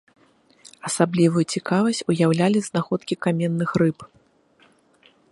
Асаблівую цікавасць ўяўлялі знаходкі каменных рыб.